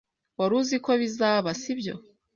Wari uziko bizaba, sibyo?